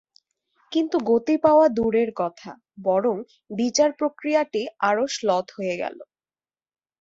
কিন্তু গতি পাওয়া দূরের কথা, বরং বিচার-প্রক্রিয়াটি আরও শ্লথ হয়ে গেল।